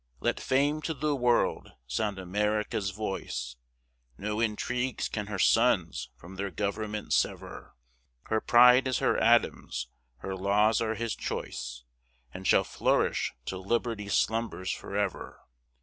Let fame to the world sound America's voice; No intrigues can her sons from their government sever; Her pride is her Adams; her laws are his choice, And shall flourish, till Liberty slumbers forever.